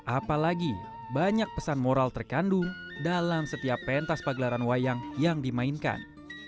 apalagi banyak pesan moral terkandung dalam setiap pentas pagelaran wayang yang dimainkan